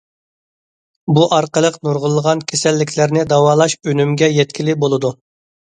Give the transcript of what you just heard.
بۇ ئارقىلىق نۇرغۇنلىغان كېسەللىكلەرنى داۋالاش ئۈنۈمىگە يەتكىلى بولىدۇ.